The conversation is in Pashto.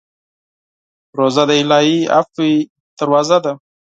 روژه د الهي عفوې دروازه ده.